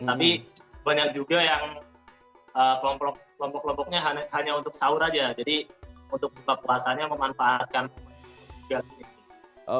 tapi banyak juga yang kelompok kelompoknya hanya untuk sahur aja jadi untuk buka puasanya memanfaatkan gas